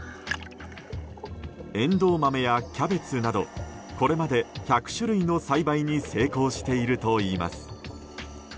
エンドウ豆やキャベツなどこれまで１００種類の栽培に成功しているといいます。